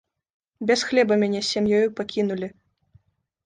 Без хлеба мяне з сям'ёю пакінулі.